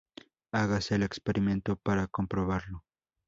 Hágase el experimento para comprobarlo.